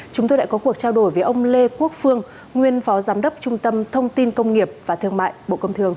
chúng tôi đã có cuộc trao đổi với ông lê quốc phương nguyên phó giám đốc trung tâm thông tin công nghiệp và thương mại bộ công thương